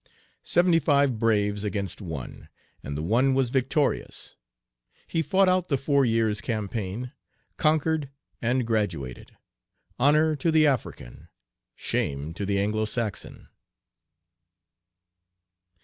Seventy five braves against one! And the one was victorious. He fought out the four years' campaign, conquered and graduated. Honor to the African; shame to the Anglo Saxon."